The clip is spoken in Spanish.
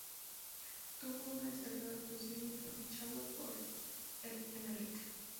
Tuvo una destacada actuación y fue fichado por el Emelec.